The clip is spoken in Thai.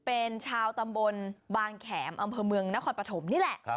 เป็นชาวตำบลบางแขมอำเภอเมืองนครปฐมนี่แหละ